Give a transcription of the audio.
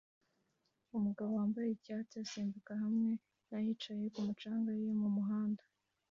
Umugabo wambaye icyatsi asimbuka hamwe na yicaye kumu canga ye mumuhanda